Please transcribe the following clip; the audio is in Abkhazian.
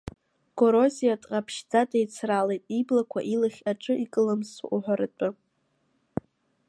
Горозиа дҟаԥшьӡа деицралеит, иблақәа илахь аҿы икылсуама уҳәаратәы.